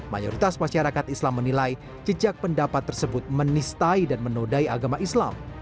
mayoritas masyarakat islam menilai jejak pendapat tersebut menistai dan menodai agama islam